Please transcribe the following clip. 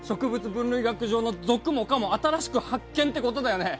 分類学上の属も科も新しく発見ってことだよね？